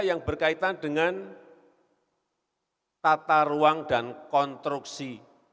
yang berkaitan dengan tata ruang dan konstruksi